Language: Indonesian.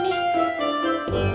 ambilkan punya kita